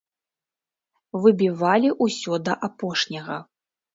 Выбівалі ўсе да апошняга.